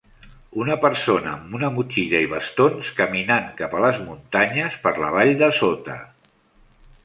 Una persona amb una motxilla i bastons, caminant cap a les muntanyes per la vall de sota.